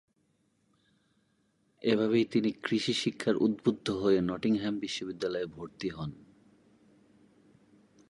এভাবেই তিনি কৃষি শিক্ষায় উদ্বুদ্ধ হয়ে নটিংহ্যাম বিশ্ববিদ্যালয়ে ভর্তি হন।